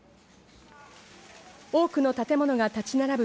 多くの建物が立ち並ぶ